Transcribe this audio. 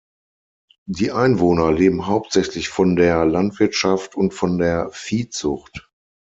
Die Einwohner leben hauptsächlich von der Landwirtschaft und von der Viehzucht.